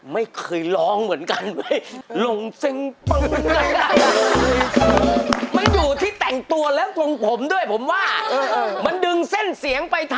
ไม่เคยร้องเหมือนกัน